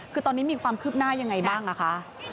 คือตอนนี้มีความคืบหน้ายังไงบ้างนะคะ